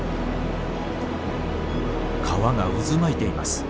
川が渦巻いています。